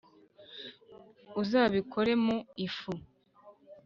Uzabikore mu ifu